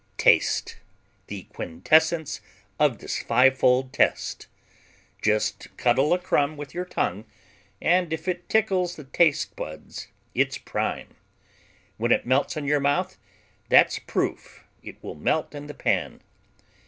taste: The quintessence of this fivefold test. Just cuddle a crumb with your tongue and if it tickles the taste buds it's prime. When it melts in your mouth, that's proof it will melt in the pan.